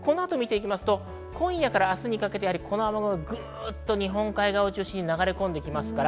今夜から明日にかけてぐっと日本海側を中心に流れ込んできます。